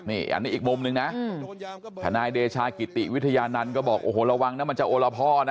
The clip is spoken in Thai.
นี่อันนี้อีกมุมนึงนะทนายเดชากิติวิทยานันต์ก็บอกโอ้โหระวังนะมันจะโอละพ่อนะ